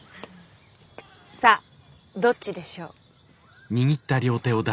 さあどっちでしょう？